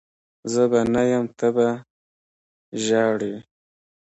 زه به نه یم ته به ژهړي